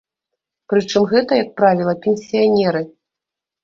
Прычым гэта, як правіла, пенсіянеры.